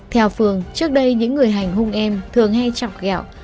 theo phương trước đây những người hành hung em thường hay chọc gẹo